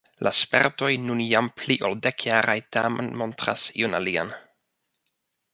La spertoj nun jam pli ol dekjaraj tamen montras ion alian.